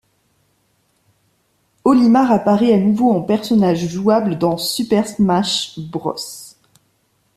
Olimar apparaît à nouveau en personnage jouable dans Super Smash Bros.